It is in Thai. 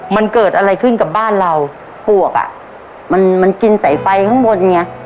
มันเกิดอะไรขึ้นกับบ้านเราปลวกอ่ะมันมันกินสายไฟข้างบนไง